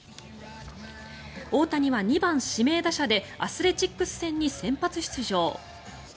大谷は２番指名打者でアスレチックス戦に先発出場。